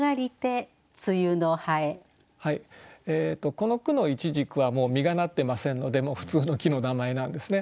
この句の「無花果」は実がなってませんので普通の木の名前なんですね。